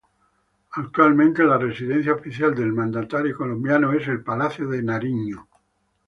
Actualmente la residencia oficial del mandatario colombiano es el Palacio de Nariño.